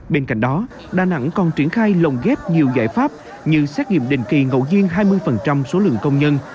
bên cạnh đó đà nẵng còn triển khai lồng ghép nhiều giải pháp như xét nghiệm đình kỳ ngậu duyên hai mươi số lượng công nhân